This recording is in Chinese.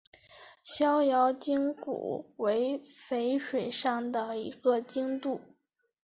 逍遥津古为淝水上的一个津渡。